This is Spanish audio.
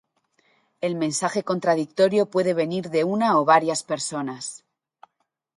El mensaje contradictorio puede venir de una o varias personas.